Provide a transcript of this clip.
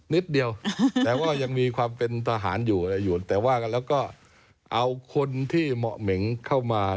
นิดเดียวแต่ว่ายังมีความเป็นทหารอยู่แต่ว่ากันแล้วก็เอาคนที่เหมาะเหม็งเข้ามา